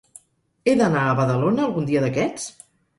He d'anar a Badalona algun dia d'aquests?